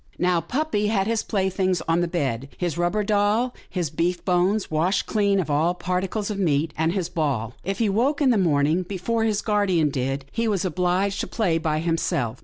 Now, puppy had his playthings on the bed — his rubber doll, his beef bones washed clean of all particles of meat, and his ball. If he woke in the morning before his guardian did, he was obliged to play by himself.